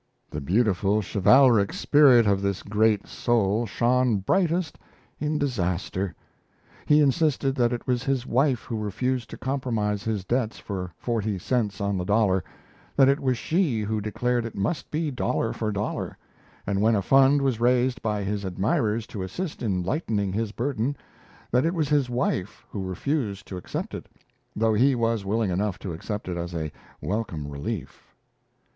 The beautiful chivalric spirit of this great soul shone brightest in disaster. He insisted that it was his wife who refused to compromise his debts for forty cents on the dollar that it was she who declared it must be dollar for dollar; and when a fund was raised by his admirers to assist in lightening his burden, that it was his wife who refused to accept it, though he was willing enough to accept it as a welcome relief.